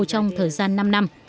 trong thời gian năm năm